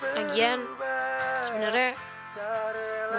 nah gian sebenernya